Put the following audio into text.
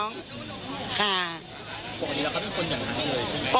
ค่ะปกติเราก็เป็นคนอย่างนั้นเลยใช่ไหม